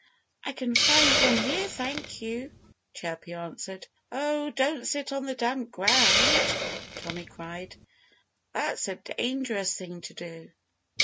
"I can find one here, thank you!" Chirpy answered. "Oh! Don't sit on the damp ground!" Tommy cried. "That's a dangerous thing to do."